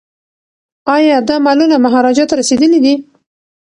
ایا دا مالونه مهاراجا ته رسیدلي دي؟